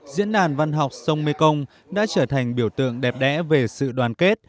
diễn đàn văn học sông mê công đã trở thành biểu tượng đẹp đẽ về sự đoàn kết